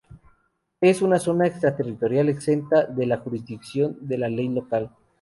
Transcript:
Es una zona extraterritorial, exenta de la jurisdicción de la ley local.